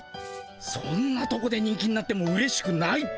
そんなとこで人気になってもうれしくないっての。